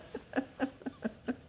フフフフ。